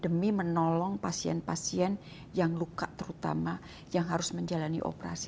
demi menolong pasien pasien yang luka terutama yang harus menjalani operasi